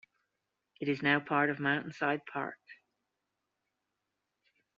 It is now part of "Mountain Side Park".